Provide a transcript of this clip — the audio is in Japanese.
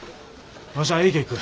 わしゃ駅へ行く。